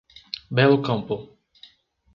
Belo Campo